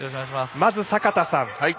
まず、坂田さん。